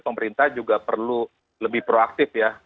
pemerintah juga perlu lebih proaktif ya